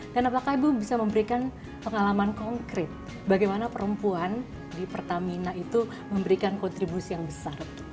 dan apakah ibu bisa memberikan pengalaman konkret bagaimana perempuan di pertamina itu memberikan kontribusi yang besar